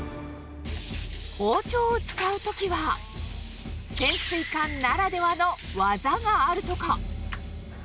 包丁を使うときは、潜水艦ならではの技があるとか。